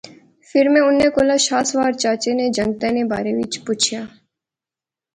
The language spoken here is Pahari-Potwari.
فیر میں انیں کولا شاہ سوار چچا نے جنگتے نے بارے وچ پچھیا